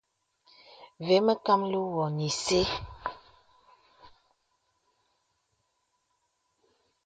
Və mə kàməlì wɔ̀ nə isə.